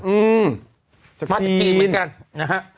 อืมมาจากจีนเหมือนกันนะฮะ